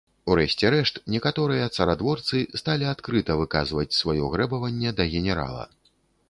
У рэшце рэшт, некаторыя царадворцы сталі адкрыта выказваць сваё грэбаванне да генерала.